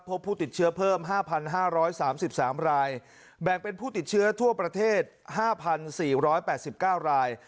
พบผู้ติดเชื้อเพิ่ม๕๕๓๓รายแบ่งเป็นผู้ติดเชื้อทั่วประเทศ๕๔๘๙ราย